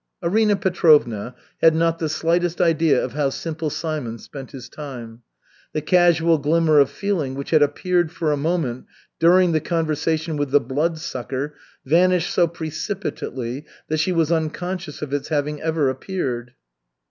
Arina Petrovna had not the slightest idea of how Simple Simon spent his time. The casual glimmer of feeling which had appeared for a moment during the conversation with the Bloodsucker vanished so precipitately that she was unconscious of its ever having appeared.